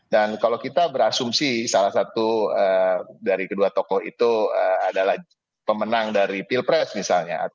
dan kalau kita berasumsi salah satu dari kedua tokoh itu adalah pemenang dari pilpress misalnya